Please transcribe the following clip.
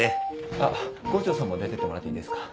あっ郷長さんも出てってもらっていいですか？